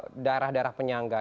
dikung oleh daerah daerah penyangga